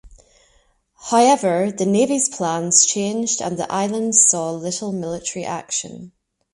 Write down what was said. However, the Navy's plans changed and the island saw little military action.